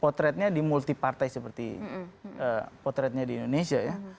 potretnya di multi partai seperti potretnya di indonesia ya